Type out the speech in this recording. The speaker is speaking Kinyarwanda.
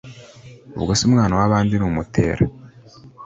ubwo se umwana wabandi numutera